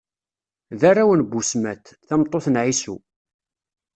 D arraw n Busmat, tameṭṭut n Ɛisu.